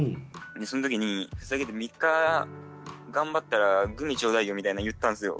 でそん時にふざけて「３日頑張ったらグミちょうだいよ」みたいな言ったんすよ